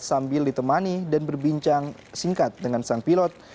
sambil ditemani dan berbincang singkat dengan sang pilot